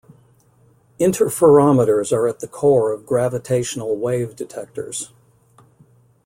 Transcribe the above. Interferometers are at the core of gravitational wave detectors.